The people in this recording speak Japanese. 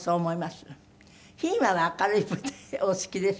ひーまは明るい舞台お好きでしょ？